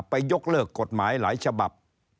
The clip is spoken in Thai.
ยกเลิกกฎหมายหลายฉบับ